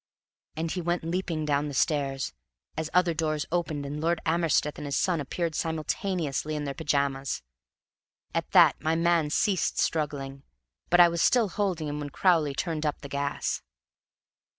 And he went leaping down the stairs, as other doors opened and Lord Amersteth and his son appeared simultaneously in their pyjamas. At that my man ceased struggling; but I was still holding him when Crowley turned up the gas.